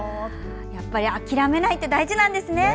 やっぱり諦めないって大事ですね。